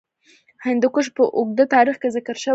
هندوکش په اوږده تاریخ کې ذکر شوی.